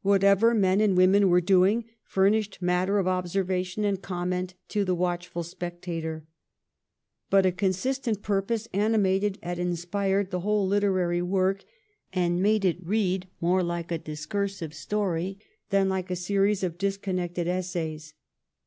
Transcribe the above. Whatever men and women were doing furnished matter of observation and comment to the watchful ' Spectator.' But a consistent purpose animated and inspired the whole literary work and made it read more like a discursive story than like a series of disconnected essays.